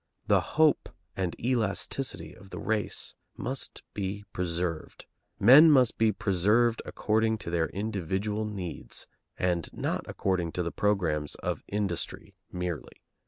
The hope and elasticity of the race must be preserved; men must be preserved according to their individual needs, and not according to the programs of industry merely.